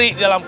ini gua beri